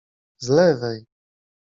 z lewej.